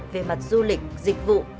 về mặt du lịch dịch vụ